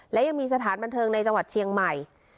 และยังมีสถานบันเทิงในจังหวัดเชียงใหม่